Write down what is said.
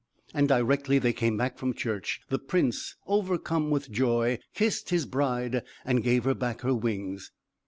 And directly they came back from church the prince, overcome with joy, kissed his bride, and gave her back her wings.